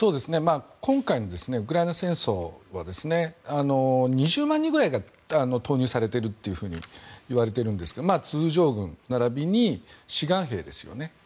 今回のウクライナ戦争は２０万人ぐらいが投入されているといわれているんですけど通常軍、並びに志願兵ですね。